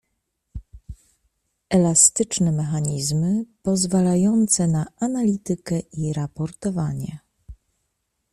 Elastyczne mechanizmy pozwalające na analitykę i raportowanie